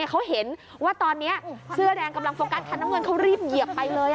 เขาเห็นว่าตอนนี้เสื้อแดงกำลังโฟกัสคันน้ำเงินเขารีบเหยียบไปเลย